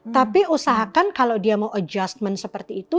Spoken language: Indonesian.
tapi usahakan kalau dia mau adjustment seperti itu